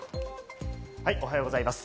おはようございます。